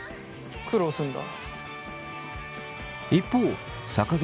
苦労すんだ。